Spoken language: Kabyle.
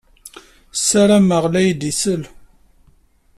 Ssarameɣ la iyi-d-tsell.